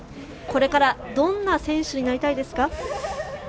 これからどんな選手になりたいですか？